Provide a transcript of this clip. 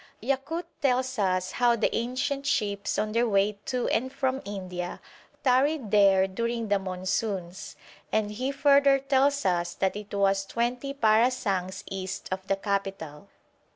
Yakut tells us how the ancient ships on their way to and from India tarried there during the monsoons, and he further tells us that it was twenty parasangs east of the capital.